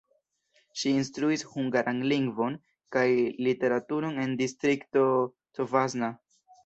Ŝi instruis hungaran lingvon kaj literaturon en Distrikto Covasna.